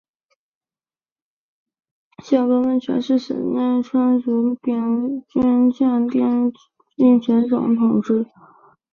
箱根温泉是神奈川县足柄下郡箱根町的温泉之总称。